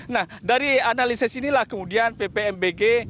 nah dari analisis inilah kemudian ppmbg